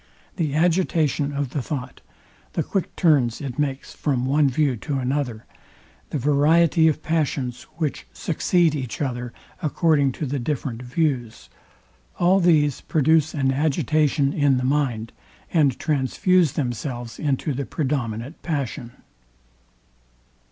The agitation of the thought; the quick turns it makes from one view to another; the variety of passions, which succeed each other, according to the different views; All these produce an agitation in the mind, and transfuse themselves into the predominant passion.